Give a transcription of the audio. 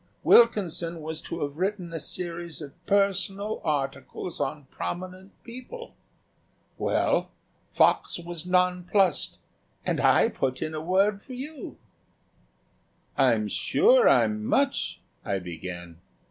Wilkinson was to have written a series of personal articles on prominent people. Well, Fox was nonplussed and I put in a word for you." "I'm sure I'm much " I began.